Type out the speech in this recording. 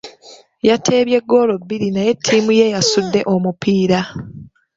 Yateebye ggoolo bbiri naye ttiimu ye yasudde omupiira.